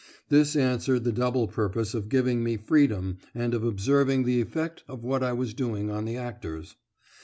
This answered the double purpose of giving me freedom and of observing the effect of what I was doing on the actors.